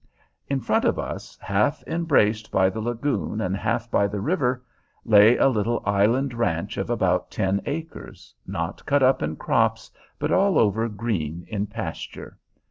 In front of us, half embraced by the lagoon and half by the river, lay a little island ranch of about ten acres, not cut up in crops, but all over green in pasture.